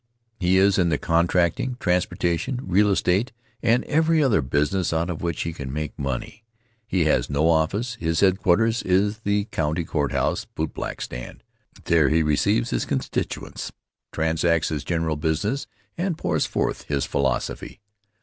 He is in the contracting, transportation, real estate, and every other business out of which he can make money. He has no office. His headquarters is the County Courthouse bootblack stand. There he receives his constituents, transacts his general business and pours forth his philosophy.